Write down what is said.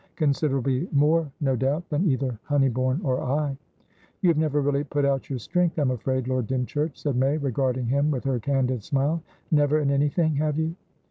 "Considerably more, no doubt, than either Honeybourne or I." "You have never really put out your strength, I'm afraid, Lord Dymchurch," said May, regarding him with her candid smile. "Never in anythinghave you?"